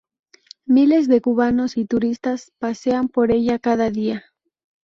Miles de cubanos y turistas pasean por ella cada día.